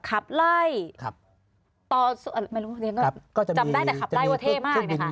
ขับไล่อยู่ในหลักพ่อประเภทยาก็จำได้แต่ขับไล่ว่าเท่มากที่